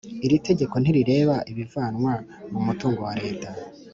Iri tegeko ntirireba ibivanwa mu mutungo wa Leta